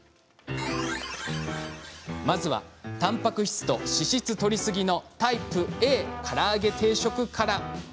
まずはたんぱく質と脂質とりすぎのタイプＡから揚げ定食から。